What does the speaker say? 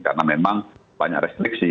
karena memang banyak restriksi